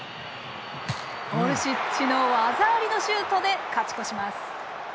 オルシッチの技ありのシュートで勝ち越します。